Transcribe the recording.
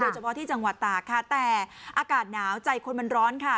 เฉพาะที่จังหวัดตากค่ะแต่อากาศหนาวใจคนมันร้อนค่ะ